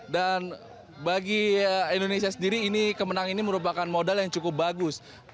dan bagi indonesia sendiri ini kemenangan ini merupakan modal yang cukup bagus